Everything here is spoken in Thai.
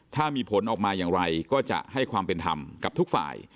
ถ้ามีผลออกมาอย่างไรก็จะให้ความเป็นธรรมกับทุกฝ่าย